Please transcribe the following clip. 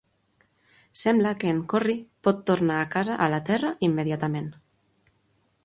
Sembla que en Corry pot tornar a casa a la Terra immediatament.